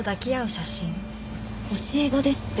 教え子ですって。